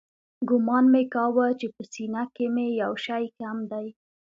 ګومان مې کاوه چې په سينه کښې مې يو شى کم دى.